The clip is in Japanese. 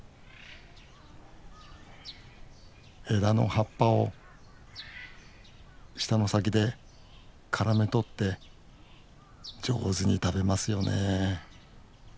枝の葉っぱを舌の先で絡めとって上手に食べますよね。